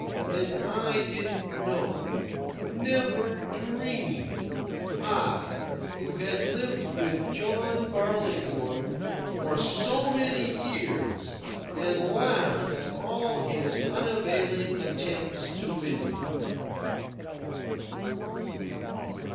And I didn't know, never dreamed I, who had lived with John Barleycorn for so many years and laughed at all his unavailing attempts to win me.